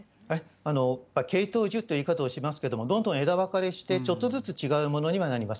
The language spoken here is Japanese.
系統樹っていう言い方をしますけれども、どんどん枝分かれして、ちょっとずつ違うものにはなります。